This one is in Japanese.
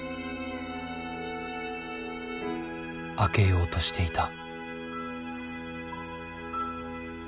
明けようとしていた。